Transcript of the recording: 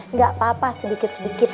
nggak apa apa sedikit sedikit